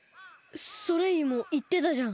ソレイユもいってたじゃん。